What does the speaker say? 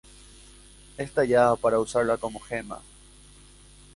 Es tallada para usarla como gema.